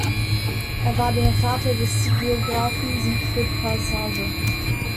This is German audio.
Er war der Vater des Geographen Siegfried Passarge.